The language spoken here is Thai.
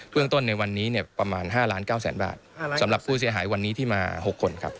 เบื้องต้นในวันนี้เนี่ยประมาณห้าล้านเก้าแสนบาทห้าล้านครับสำหรับผู้เสียหายวันนี้ที่มาหกคนครับ